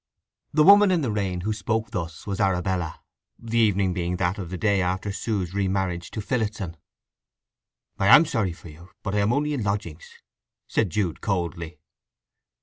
The woman in the rain who spoke thus was Arabella, the evening being that of the day after Sue's remarriage with Phillotson. "I am sorry for you, but I am only in lodgings," said Jude coldly.